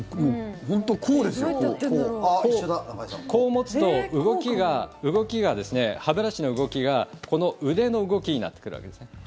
こう持つと歯ブラシの動きがこの腕の動きになってくるわけですね。